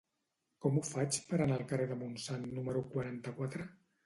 Com ho faig per anar al carrer del Montsant número quaranta-quatre?